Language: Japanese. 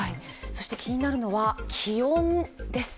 気になるのは気温です。